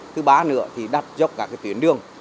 thứ ba nữa thì đặt dốc cả cái tuyến đường